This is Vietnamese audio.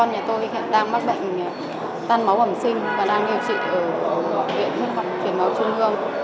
hai con nhà tôi đang mắc bệnh tan máu ẩm sinh và đang điều trị ở huyện huyện máu trung hương